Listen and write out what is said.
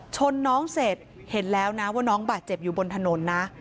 ชนน้องเสร็จเห็นแล้วนะว่าน้องบาดเจ็บอยู่บนถนนนะ